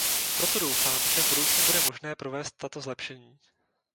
Proto doufám, že v budoucnu bude možné provést tato zlepšení.